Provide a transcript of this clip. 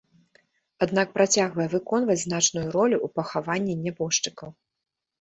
Аднак працягвае выконваць значную ролю ў пахаванні нябожчыкаў.